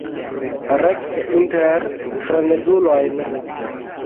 Rekte inter frenezulojn.